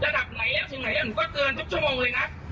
ระดับไหนถึงไหนหนูก็เกินทุกชั่วโมงเลยนะ